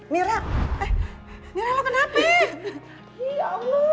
mira mira lo kenapa